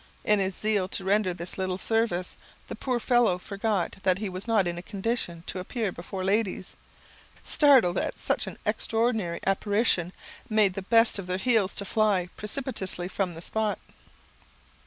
In his zeal to render this little service, the poor fellow forgot that he was not in a condition to appear before ladies; who, startled at such an extraordinary apparition, made the best of their heels to fly precipitately from the spot.